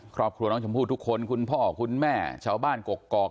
ครอบครัวน้องชมพู่ทุกคนคุณพ่อคุณแม่ชาวบ้านกกอก